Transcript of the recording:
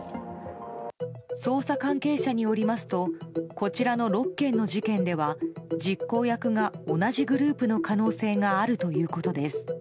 捜査関係者によりますとこちらの６件の事件では実行役が同じグループの可能性があるということです。